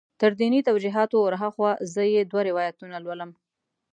تر دیني توجیهاتو ور هاخوا زه یې دوه روایتونه لولم.